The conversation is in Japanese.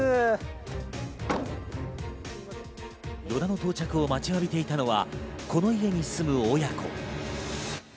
依田の到着を待ちわびていたのは、この家に住む親子。